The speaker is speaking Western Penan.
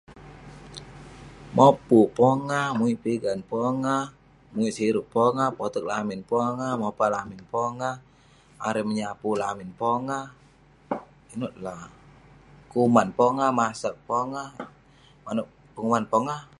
Mopuk pongah, muwik pigan pongah, [unintelligible] siruk pongah, poteq lamin pongah, mopa lamin pongah, arei menyapu lamin pongah, ineuk la? Kuman pongah, masaq pongah, maneuk penguman pongah.